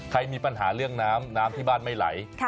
ใครมีปัญหาเรื่องน้ำน้ำที่บ้านไม่ไหล